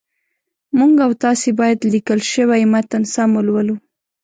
موږ او تاسي باید لیکل شوی متن سم ولولو